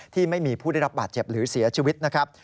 ที่ไม่มีผู้ได้รับบาดเจ็บหรือเสียชีวิตนะครับ